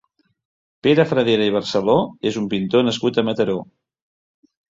Pere Fradera i Barceló és un pintor nascut a Mataró.